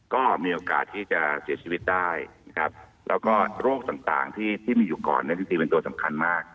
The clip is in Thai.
ก็มีโอกาสที่จะเสียชีวิตได้แล้วก็โรคต่างที่มีอยู่ก่อนเป็นตัวสำคัญมาก